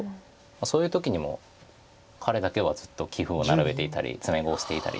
そういう時にも彼だけはずっと棋譜を並べていたり詰碁をしていたり。